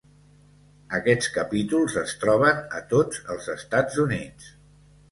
Aquests capítols es troben a tots els Estats Units.